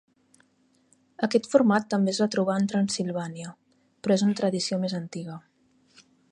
Aquest format també es va trobar en Transsilvània, però és una tradició més antiga.